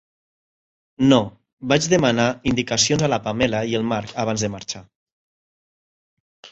No, vaig demanar indicacions a la Pamela i el Mark abans de marxar.